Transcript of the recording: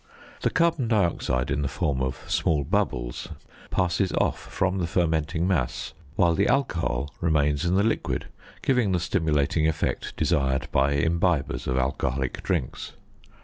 The carbon dioxide, in the form of small bubbles, passes off from the fermenting mass, while the alcohol remains in the liquid, giving the stimulating effect desired by imbibers of alcoholic drinks.